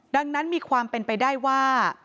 ดังนั้นมีความเป็นไปได้ว่า